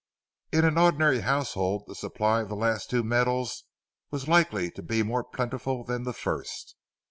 In an ordinary household the supply of the last two metals was likely to be more plentiful than the first.